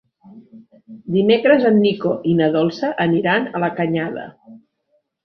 Dimecres en Nico i na Dolça aniran a la Canyada.